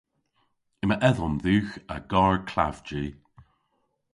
Yma edhomm dhywgh a garr klavji.